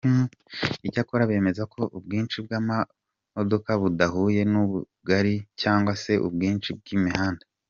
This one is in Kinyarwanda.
Icyakora bemeza ko ubwinshi bw’amamodoka budahuye n’ubugari cyangwa se ubwinshi bw’imihanda.